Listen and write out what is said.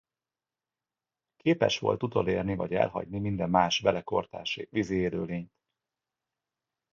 Képes volt utolérni vagy elhagyni minden más vele kortárs vízi élőlényt.